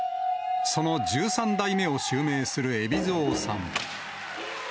その十三代目を襲名する海老蔵さん。